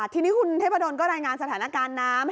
ทีนี้คุณเทพดลก็รายงานสถานการณ์น้ำ